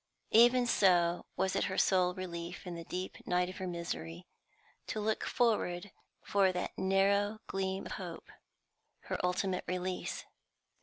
Even so was it her sole relief in the deep night of her misery to look forward for that narrow gleam of hope her ultimate release.